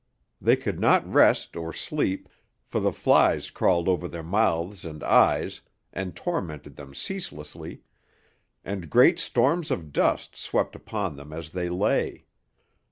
They could not rest or sleep, for the flies crawled over their mouths and eyes and tormented them ceaselessly, and great storms of dust swept upon them as they lay.